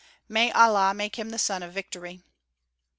"May Allah make him the son of victory."